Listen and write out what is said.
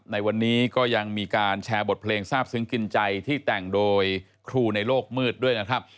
ในวันนี้ก็ยังมีการแชร์บทเพลงทราบซึ้งกินใจที่แต่งโดยครูในโลกมืดด้วยนะครับ